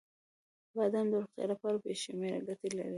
• بادام د روغتیا لپاره بې شمیره ګټې لري.